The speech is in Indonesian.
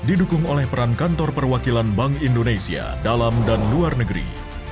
didukung oleh peran kantor perwakilan bank indonesia dalam dan luar negeri